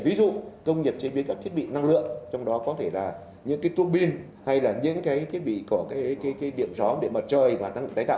ví dụ công nghiệp chế biến các thiết bị năng lượng trong đó có thể là những cái tuôn pin hay là những cái thiết bị của cái điện rõ để mặt trời và tài tạo